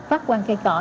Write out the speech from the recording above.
phát quan cây cỏ